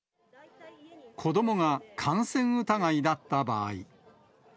子どもが感染疑いだった場合。